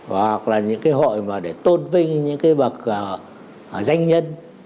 hoặc là những hội để tôn vinh những bậc danh nhân